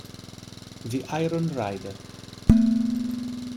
The Iron Rider